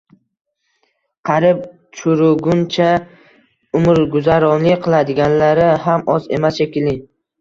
Qarib-churuguncha umrguzaronlik qiladiganlari ham oz emas shekilli.